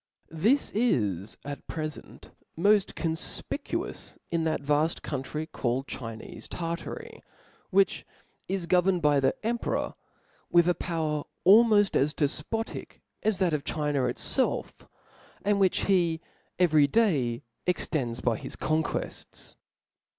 This is at prefent moft coq fptcuous in that vafl: country called Chinefe Tartary, which is governed by the emperor with a power almoft as dcfpotic ^s that of China it (^If^ and which he every day extends by his con quefts.